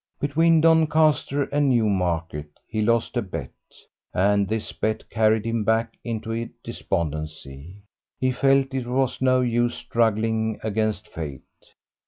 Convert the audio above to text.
Between Doncaster and Newmarket he lost a bet, and this bet carried him back into despondency. He felt it was no use struggling against fate.